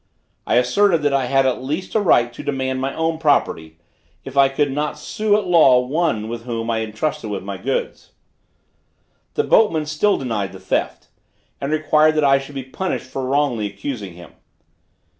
I asserted that I had at least a right to demand my own property, if I could not sue at law one with whom I had entrusted my goods. The boatman still denied the theft, and required that I should be punished for wrongly accusing him.